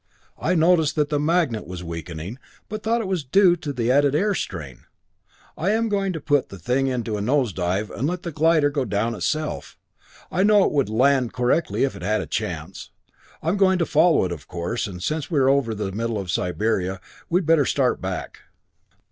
I noticed that the magnet was weakening, but thought it was due to the added air strain. I am going to put the thing into a nose dive and let the glider go down itself. I know it would land correctly if it had a chance. I am going to follow it, of course, and since we are over the middle of Siberia we'd better start back."